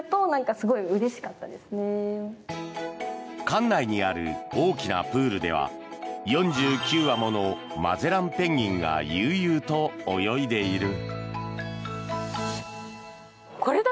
館内にある大きなプールでは４９羽ものマゼランペンギンが悠々と泳いでいる。